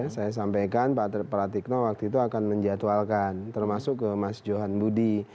saya sampaikan pak pratikno waktu itu akan menjatuhalkan termasuk ke mas johan budi